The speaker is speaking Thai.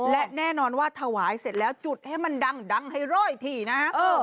และแน่นอนว่าถวายเสร็จแล้วจุดให้มันดังให้ร่อยทีนะฮะ